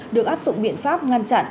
được áp dụng biện pháp ngăn chặn